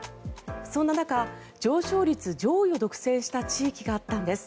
そんな中、上昇率上位を独占した地域があったんです。